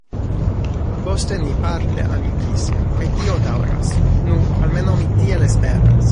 Poste ni parte amikis kaj tio daŭras nu, almenaŭ mi tiel esperas.